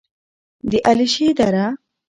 د علیشې دره: